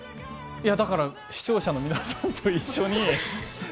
だから視聴者の皆さんと一緒に。